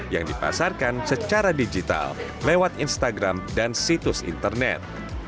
yang dipasarkan secara digital lewat instagram dan situs internet